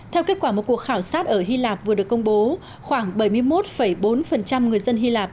theo kết quả một cuộc khảo sát ở hy lạp vừa được công bố khoảng bảy mươi một bốn người dân hy lạp